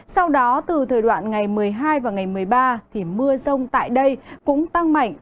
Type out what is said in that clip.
sau đó từ thời đoạn ngày một mươi hai và ngày một mươi ba thì mưa rông tại đây cũng tăng mạnh